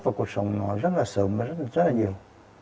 và cột sổng nó rất là sống rất là nhiều